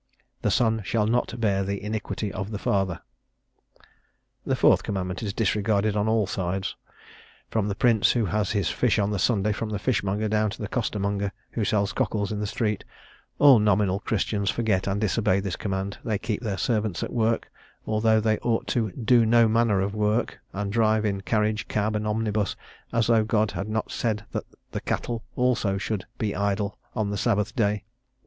The son shall not bear the iniquity of the father." The fourth commandment is disregarded on all sides; from the prince who has his fish on the Sunday from the fishmonger down to the costermonger who sells cockles in the street, all nominal Christians forget and disobey this command; they keep their servants at work, although they ought to "do no manner of work," and drive in carriage, cab, and omnibus as though God had not said that the cattle also should be idle on the Sabbath day.